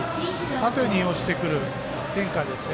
縦に落ちてくる変化ですね。